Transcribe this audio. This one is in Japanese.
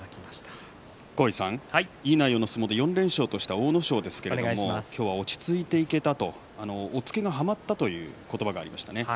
いい内容の相撲で４連勝とした阿武咲ですが今日は落ち着いていけたと押っつけがはまったという言葉がありました。